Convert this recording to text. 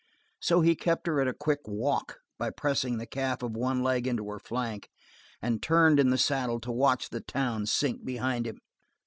So he kept her at a quick walk by pressing the calf of one leg into her flank and turned in the saddle to watch the town sink behind him.